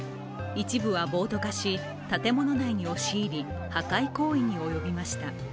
一部は暴徒化し、建物内に押し入り破壊行為に及びました。